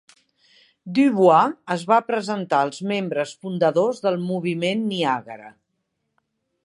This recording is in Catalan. Du Bois i es va presentar als membres fundadors del Moviment Niagara.